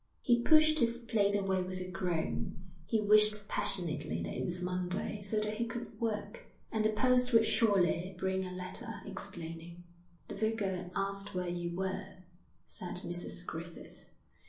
He pushed his plate away with a groan. He wished passionately that it were Monday, so that he could work. And the post would surely bring a letter, explaining. 'The vicar asked where you were,' said Mrs Griffith.